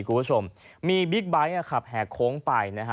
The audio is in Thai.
คุณผู้ชมมีบิ๊กไบท์ขับแห่โค้งไปนะฮะ